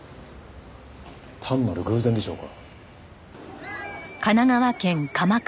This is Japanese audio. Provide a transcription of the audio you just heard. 単なる偶然でしょうか？